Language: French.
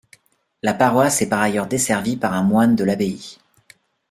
La paroisse est par ailleurs desservie par un moine de l'abbaye.